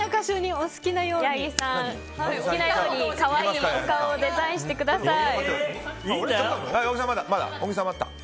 矢作さん、可愛いお顔をデザインしてください。